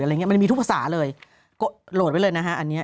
มันจะมีทุกภาษาเลยก็โหลดไว้เลยนะฮะอันเนี้ย